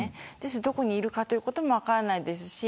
どこにいるかということも分からないですし